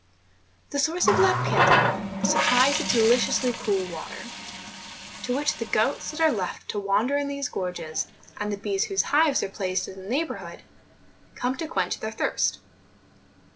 The source of La Piedra supplies a deliciously cool water, to which the goats that are left to wander in these gorges, and the bees whose hives are placed in its neighbourhood, come to quench their thirst.